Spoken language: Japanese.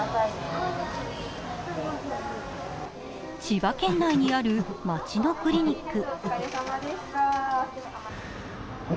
千葉県内にある街のクリニック。